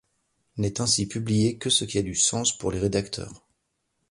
N'est ainsi publié que ce qui a du sens pour les rédacteurs.